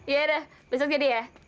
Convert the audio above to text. yaudah besok jadi ya